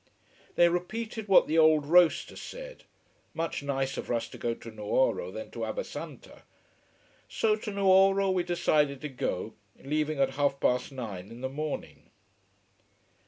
They repeated what the old roaster said: much nicer for us to go to Nuoro than to Abbasanta. So to Nuoro we decided to go, leaving at half past nine in the morning.